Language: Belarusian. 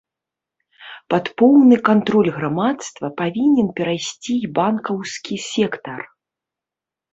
Пад поўны кантроль грамадства павінен перайсці і банкаўскі сектар.